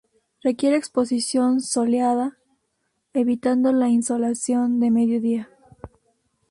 Requiere exposición soleada evitando la insolación de mediodía.